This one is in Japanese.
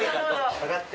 上がって。